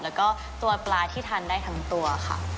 แล้วก็ตัวปลาที่ทานได้ทั้งตัวค่ะ